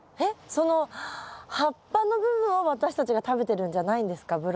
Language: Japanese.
えっその葉っぱの部分を私たちが食べてるんじゃないんですか？